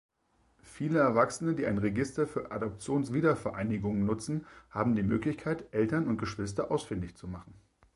Viele Erwachsene, die ein Register für Adoptionswiedervereinigungen nutzen, haben die Möglichkeit, Eltern und Geschwister ausfindig zu machen.